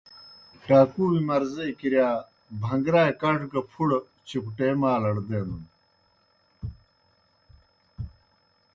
ٹاکُوئے مرضے کِرِیا بھن٘گرائے کَڇ گہ پُھڑہ چُکٹے مالڑ دینَن۔